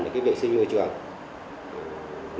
của cái vệ sinh nuôi trang trại